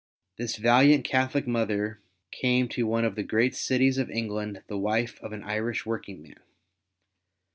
This valiant Catholic mother came to one of the great cities of England the wife of an Irish working man.